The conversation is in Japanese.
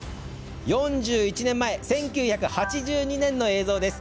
４１年前、１９８２年の映像です。